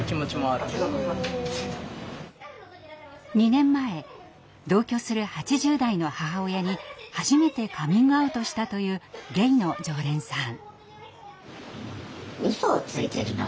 ２年前同居する８０代の母親に初めてカミングアウトしたというゲイの常連さん。